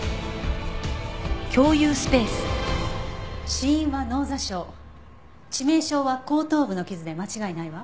死因は脳挫傷致命傷は後頭部の傷で間違いないわ。